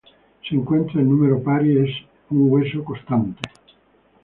Se encuentra en número par y es un hueso constante.